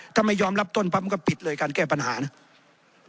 ถ้าไม่ยอมรับต้นปั๊บมันก็ปิดเลยการแก้ปัญหานะ